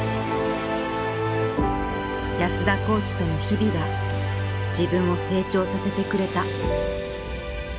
「安田コーチとの日々が自分を成長させてくれた」。